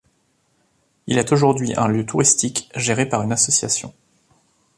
Il est aujourd'hui un lieu touristique géré par une association.